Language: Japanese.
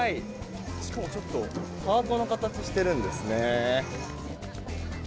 しかも、ちょっとハートの形してるんですね。